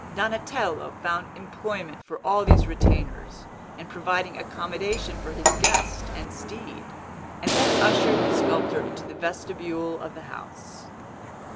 Donatello found employment for all these retainers in providing accommodation for his guest and steed, and then ushered the sculptor into the vestibule of the house.